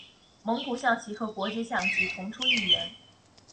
蒙古象棋和国际象棋同出一源。